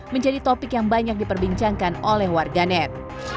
menjadi topik yang banyak diperbincangkan oleh warganet